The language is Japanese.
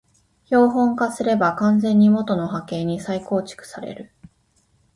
標本化すれば完全に元の波形に再構成される